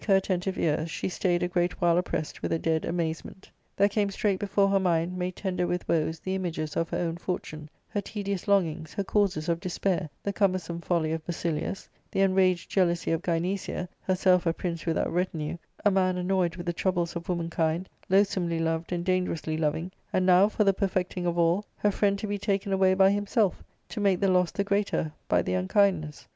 her attentive ears, she stayed a great while oppressed with a dead amazement. There came straight before her mind made tender with woes the images of her own fortune : her tedious longings, her causes of despair, the combersome folly of Basilius, the enraged jealousy of Gynecia, herself a prince without retinue, a man annoyed with the troubles of womankind, loathsomely loved, and dangerously loving^ : and now, for the perfecting of all, her friend to be taken away by himself, to make the loss the greater by the unkindness.